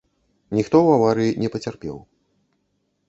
Ніхто ў аварыі не пацярпеў.